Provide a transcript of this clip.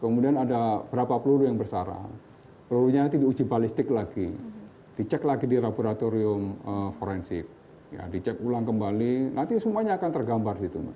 kemudian ada berapa peluru yang bersarang pelurunya nanti diuji balistik lagi dicek lagi di laboratorium forensik dicek ulang kembali nanti semuanya akan tergambar di situ